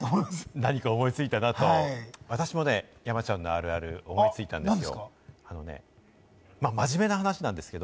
ニヤニヤしているということ何か思いついたなと、私もね、山ちゃんのあるある思いついたんですよ。